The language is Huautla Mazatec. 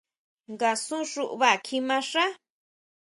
¿Ngasun xuʼbá kjimaxá?